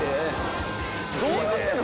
どうなってんの？